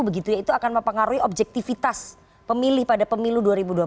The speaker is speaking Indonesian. begitu ya itu akan mempengaruhi objektivitas pemilih pada pemilu dua ribu dua puluh